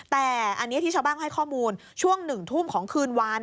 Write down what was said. แต่อันนี้ที่ชาวบ้านให้ข้อมูลช่วง๑ทุ่มของคืนวาน